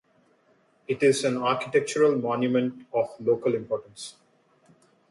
It is an architectural monument of local importance.